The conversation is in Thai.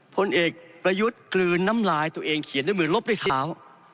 ผลเอกประยุทธ์กลืนน้ำลายตัวเองเขียนด้วยมือลบด้วยเท้า